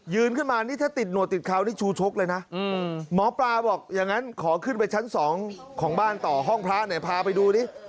ขึ้นมานี่ถ้าติดหนวดติดเขานี่ชูชกเลยนะหมอปลาบอกอย่างนั้นขอขึ้นไปชั้น๒ของบ้านต่อห้องพระไหนพาไปดูดิ